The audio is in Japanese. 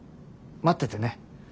待っててね。